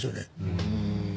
うん。